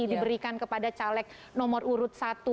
diberikan kepada caleg nomor urut satu